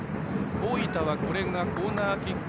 大分は、これがコーナーキック